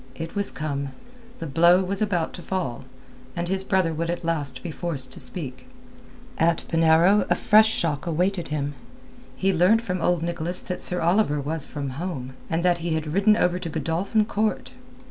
It was come. The blow was about to fall, and his brother would at last be forced to speak. At Penarrow a fresh shock awaited him. He learnt from old Nicholas that Sir Oliver was from home, that he had ridden over to Godolphin Court.